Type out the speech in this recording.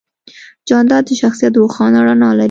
جانداد د شخصیت روښانه رڼا لري.